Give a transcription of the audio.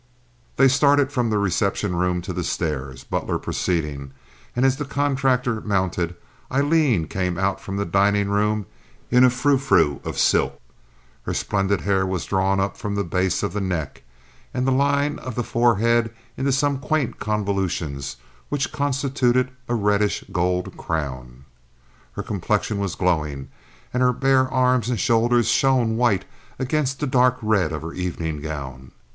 They started from the reception room to the stairs, Butler preceding and as the contractor mounted, Aileen came out from the dining room in a frou frou of silk. Her splendid hair was drawn up from the base of the neck and the line of the forehead into some quaint convolutions which constituted a reddish gold crown. Her complexion was glowing, and her bare arms and shoulders shone white against the dark red of her evening gown.